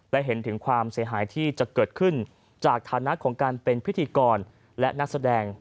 และเห็นถึงความเสียหายที่จะเกิดขึ้นจากฐานะของการเป็นพิธีกรและนักแสดง